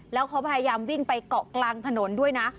แล้วเขาพยายามวิ่งไปเกาะกลางถนนด้วยนะ